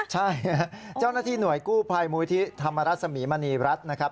ใช่เจ้าหน้าที่หน่วยกู้ภัยมูลที่ธรรมรัศมีมณีรัฐนะครับ